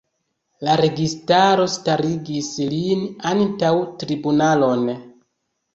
La registaro starigis lin antaŭ tribunalon.